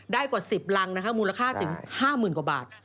ได้กว่า๑๐รังนะคะมูลค่าถึง๕หมื่นกว่าบาท